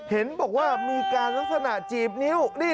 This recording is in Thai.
เห็นบอกว่ามีการลักษณะจีบนิ้ว